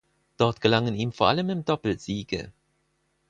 Dort gelangen ihm vor allem im Doppel Siege.